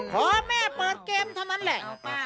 พอแม่เปิดเกมเท่านั้นแหละ